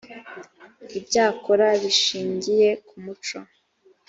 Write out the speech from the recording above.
ibyakora bishingiye ku muco.